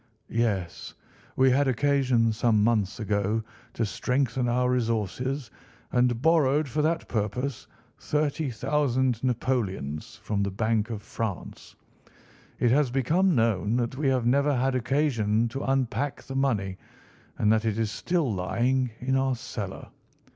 "Yes. We had occasion some months ago to strengthen our resources and borrowed for that purpose 30,000 napoleons from the Bank of France. It has become known that we have never had occasion to unpack the money, and that it is still lying in our cellar.